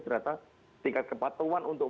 ternyata tingkat kepatuan untuk